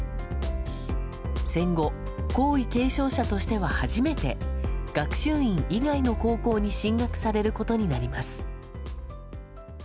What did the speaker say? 戦後、皇位継承者としては初めて学習院以外の高校に進学されることになります。